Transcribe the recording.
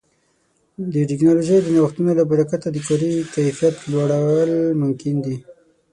د ټکنالوژۍ د نوښتونو له برکت د کاري کیفیت لوړول ممکن دي.